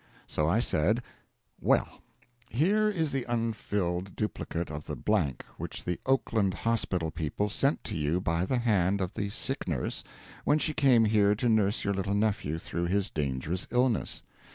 So I said: "Well, here is the unfilled duplicate of the blank which the Oakland hospital people sent to you by the hand of the sick nurse when she came here to nurse your little nephew through his dangerous illness.